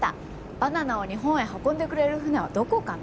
バナナを日本へ運んでくれる船はどこかな？